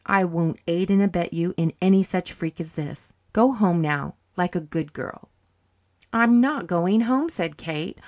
"I won't aid and abet you in any such freak as this. Go home now, like a good girl." "I'm not going home," said Kate.